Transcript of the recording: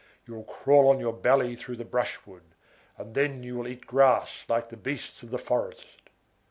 You will crawl on your belly through the brushwood, and you will eat grass like the beasts of the forest.